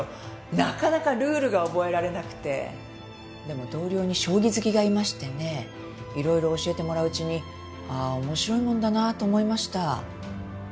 「なかなかルールが覚えられなくて」でも同僚に将棋好きがいましてねいろいろ教えてもらううちにああ面白いものだなと思いました。